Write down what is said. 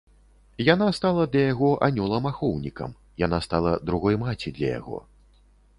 Яна стала для яго анёлам-ахоўнікам, яна стала другой маці для яго.